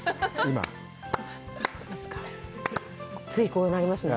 つい、こうなりますね。